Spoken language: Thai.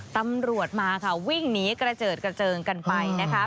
ตำรวจมาค่ะวิ่งหนีกระเจิดกระเจิงกันไปนะคะ